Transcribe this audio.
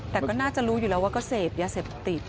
แต่ก็น่าจะรู้อยู่แล้วว่าก็เสพยาเสพติด